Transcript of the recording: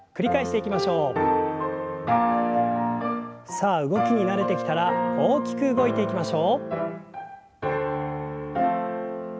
さあ動きに慣れてきたら大きく動いていきましょう。